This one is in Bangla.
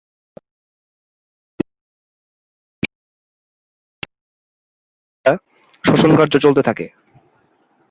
গানটি লিখেছেন কবির বকুল।